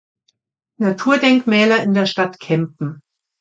Naturdenkmäler in der Stadt Kempen.